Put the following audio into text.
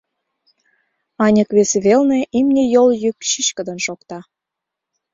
Аньык вес велне имне йол йӱк чӱчкыдын шокта.